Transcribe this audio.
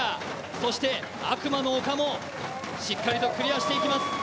そして悪魔の丘もしっかりとクリアしていきます。